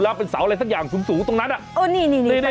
แล้วเป็นเสาอะไรสักอย่างสูงตรงนั้นอ่ะโอ้นี่นี่นี่